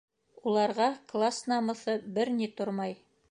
Уларға класс намыҫы бер ни тормай.